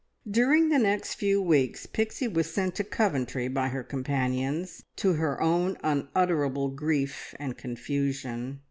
During the next few weeks Pixie was sent to Coventry by her companions, to her own unutterable grief and confusion.